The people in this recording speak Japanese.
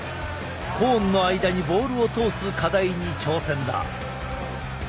コーンの間にボールを通す課題に挑戦だ。